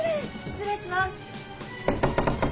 失礼します。